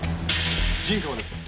陣川です。